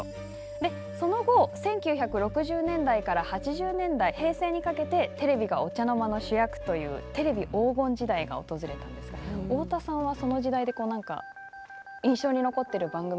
でその後１９６０年代から８０年代平成にかけてテレビがお茶の間の主役というテレビ黄金時代が訪れたんですが太田さんはその時代で何か印象に残ってる番組などありますか？